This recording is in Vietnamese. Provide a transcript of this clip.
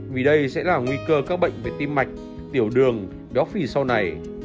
vì đây sẽ là nguy cơ các bệnh về tim mạch tiểu đường béo phì sau này